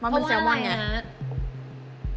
เพราะว่าอะไร